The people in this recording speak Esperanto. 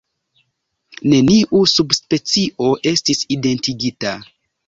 Neniu subspecio estis identigita.